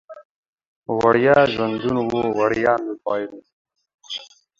وړیا ژوندون و، وړیا مې بایلود